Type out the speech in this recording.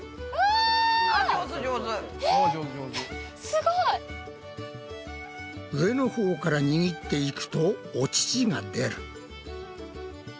すごい！上のほうから握っていくとお乳が出る。